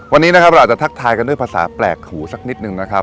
วันนี้นะครับเราอาจจะทักทายกันด้วยภาษาแปลกหูสักนิดนึงนะครับ